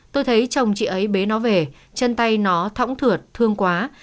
tôi thấy chồng chị ấy bế nó về chân tay nó thỏng thượt thương quá